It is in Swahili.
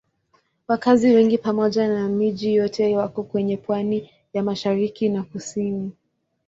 Wakazi wengi pamoja na miji yote wako kwenye pwani ya mashariki na kusini.